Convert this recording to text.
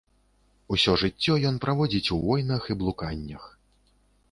Усё жыццё ён праводзіць у войнах і блуканнях.